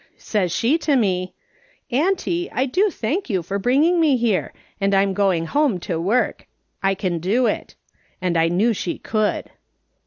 " Says she to me :' Auntie, I do thank you for bringing me here ; and I'm going home to work ; I can do it.' And I knew she could.